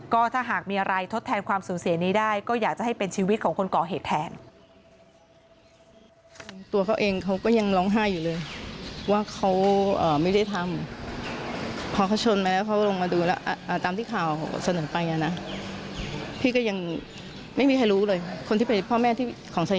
ก็ถ้าหากมีอะไรทดแทนความสูญเสียนี้ได้ก็อยากจะให้เป็นชีวิตของคนก่อเหตุแทน